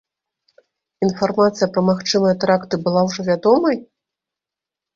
Інфармацыя пра магчымыя тэракты была ўжо вядомай?